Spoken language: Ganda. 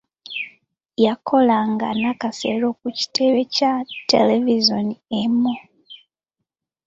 Yakolanga nakasero ku kitebe kya televizoni emu.